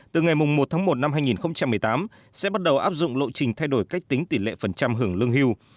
từ ngày một tháng một năm hai nghìn một mươi tám sẽ bắt đầu áp dụng lộ trình thay đổi cách tính tỷ lệ phần trăm hưởng lương hưu